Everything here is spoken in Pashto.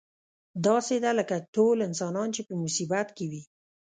داسې ده لکه ټول انسانان چې په مصیبت کې وي.